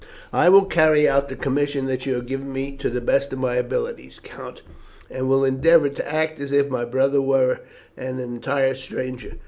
"I will carry out the commission that you have given me to the best of my abilities, Count; and will endeavour to act as if my brother was an entire stranger."